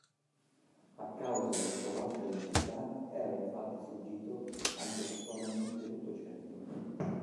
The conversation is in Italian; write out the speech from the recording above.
A causa della sua bassa densità, era infatti sfuggito agli astronomi dell'Ottocento.